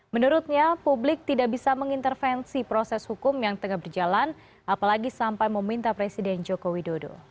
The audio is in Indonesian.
menurutnya publik tidak bisa mengintervensi proses hukum yang tengah berjalan apalagi sampai meminta presiden joko widodo